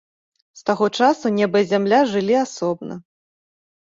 З таго часу неба і зямля жылі асобна.